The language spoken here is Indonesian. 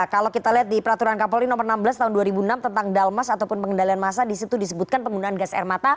kalau kita lihat di peraturan kapolri nomor enam belas tahun dua ribu enam tentang dalmas ataupun pengendalian massa disitu disebutkan penggunaan gas air mata